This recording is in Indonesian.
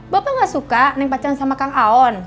bapak gak suka neng pacaran sama kang aon